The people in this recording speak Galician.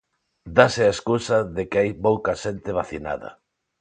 Dáse a escusa de que hai pouca xente vacinada.